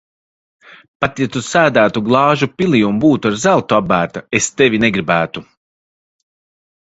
Pat ja Tu sēdētu glāžu pilī un būtu ar zeltu apbērta, es tevi negribētu.